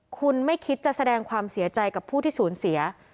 คุณไม่คิดจะแสดงความเสียใจกับผู้ที่สูญเสีย